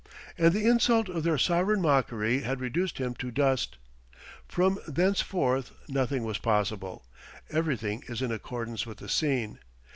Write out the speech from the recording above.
And the insult of their sovereign mockery had reduced him to dust. From thenceforth nothing was possible. Everything is in accordance with the scene.